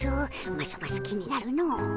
ますます気になるの。